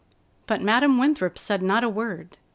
But Madam Winthrop said not a word.